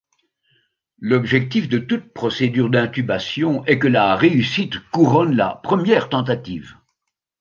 L'objectif de toute procédure d'intubation est que la réussite couronne la première tentative.